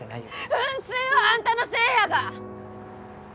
噴水はアンタのせいやが！